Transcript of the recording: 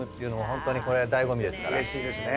うれしいですね